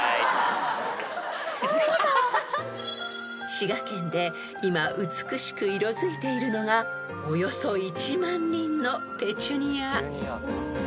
［滋賀県で今美しく色づいているのがおよそ１万輪のペチュニア］